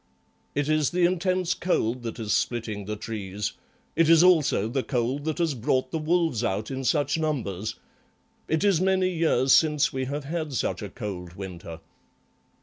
"It is the intense cold that is splitting the trees. It is also the cold that has brought the wolves out in such numbers. It is many years since we have had such a cold winter."